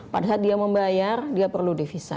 pada saat dia membayar dia perlu divisa